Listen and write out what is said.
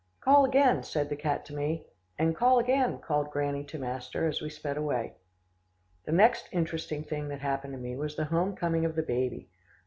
"Call again," said the cat to me, and "Call again," called Granny to master, as we sped away. The next interesting thing that happened to me was the home coming of the baby.